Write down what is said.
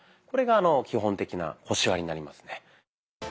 これが基本的な腰割りになりますね。